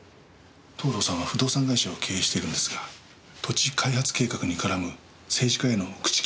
藤堂さんは不動産会社を経営しているんですが土地開発計画に絡む政治家への口利き料だそうです。